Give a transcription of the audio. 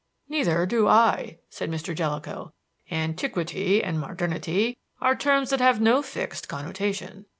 "Neither do I," said Mr. Jellicoe. "Antiquity and modernity are terms that have no fixed connotation.